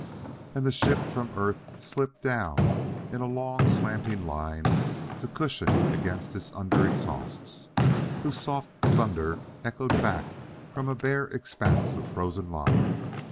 And the ship from Earth slipped down in a long slanting line to cushion against its under exhausts, whose soft thunder echoed back from a bare expanse of frozen lava.